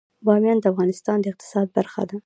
بامیان د افغانستان د اقتصاد برخه ده.